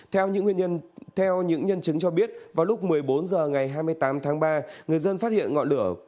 theo những nhân chứng cho biết vào lúc một mươi bốn h ngày hai mươi tám tháng ba người dân phát hiện ngọn lửa